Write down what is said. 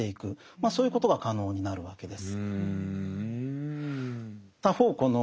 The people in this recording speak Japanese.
そういうことが可能になるわけです。